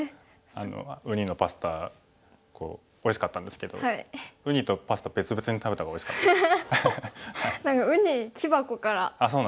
あのウニのパスタおいしかったんですけどウニとパスタ別々に食べた方がおいしかったです。